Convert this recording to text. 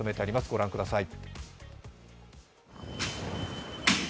ご覧ください。